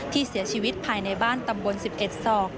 ที่เสียชีวิตภายในบ้านตำบล๑๑ศอก